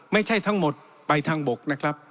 ไม่ใช่ทั้งหมดไปทางบกนะครับ